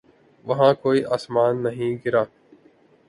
وہاں کوئی آسمان نہیں گرا۔